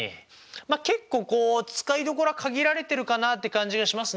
結構こう使い所が限られてるかなって感じがしますね。